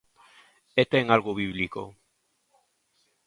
E ten algo bíblico.